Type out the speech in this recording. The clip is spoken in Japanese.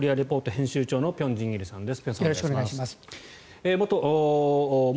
編集長の辺真一さんです。